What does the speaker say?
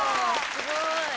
すごい。